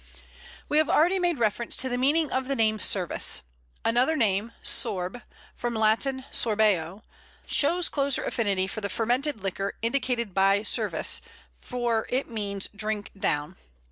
We have already made reference to the meaning of the name Service. Another name Sorb (from Latin sorbeo) shows closer affinity for the fermented liquor indicated by Servise, for it means "drink down."